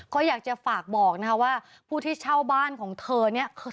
ก็อยากจะฝากบอกนะคะว่าผู้ที่เช่าบ้านของเธอเนี่ย